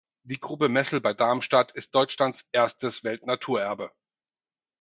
Die Grube Messel bei Darmstadt ist Deutschlands erstes Weltnaturerbe.